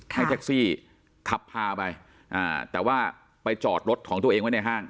ให้แท็กซี่ขับพาไปอ่าแต่ว่าไปจอดรถของตัวเองไว้ในห้าง